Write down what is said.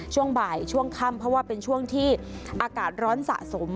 ช่วงบ่ายช่วงค่ำเพราะว่าเป็นช่วงที่อากาศร้อนสะสม